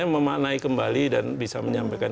memaknai kembali dan bisa menyampaikan